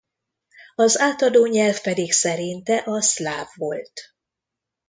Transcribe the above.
Az átadó nyelv pedig szerinte a szláv volt.